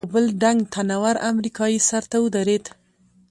خو یو بل ډنګ، تنه ور امریکایي سر ته ودرېد.